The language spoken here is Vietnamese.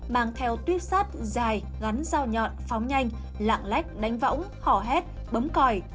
mang theo tuyếp sắt dài gắn dao nhọn phóng nhanh lạng lách đánh võng hỏ hét bấm còi